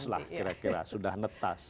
sudah netas lah kira kira sudah netas